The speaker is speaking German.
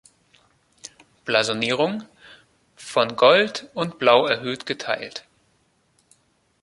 Blasonierung: „Von Gold und Blau erhöht geteilt.